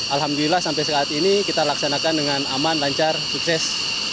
alhamdulillah sampai saat ini kita laksanakan dengan aman lancar sukses